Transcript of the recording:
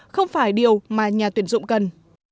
không phải điều mà nhà tuyển dụng cần